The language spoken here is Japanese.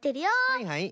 はいはい。